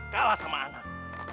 kalah sama anak